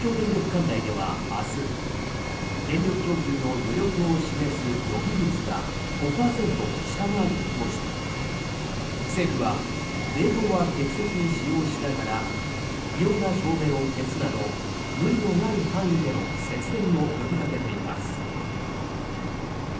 管内では明日電力供給の余力を示す予備率が５％を下回る見通しで政府は冷房は適切に使用しながら不要な照明を消すなど無理のない範囲での節電を呼びかけています。